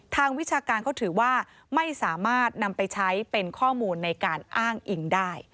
วิชาการเขาถือว่าไม่สามารถนำไปใช้เป็นข้อมูลในการอ้างอิงได้